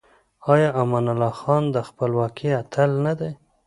آیا امان الله خان د خپلواکۍ اتل نه دی؟